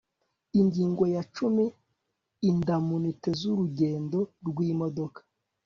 ingingo ya cumi indamunite z'urugendo rw'imodoka